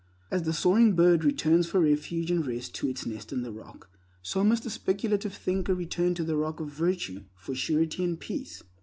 As the soaring bird returns for refuge and rest to its nest in the rock, so must the speculative thinker return to the rock of virtue for surety and peace.